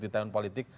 di tahun politik